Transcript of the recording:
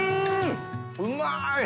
うまい！